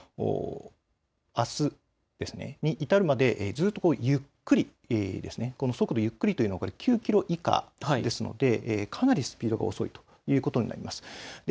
あすに至るまでずっとゆっくり、速度、ゆっくりというのは９キロ以下ですのでかなりスピードが遅いということになります。